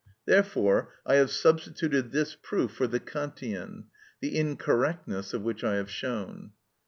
Therefore I have substituted this proof for the Kantian, the incorrectness of which I have shown.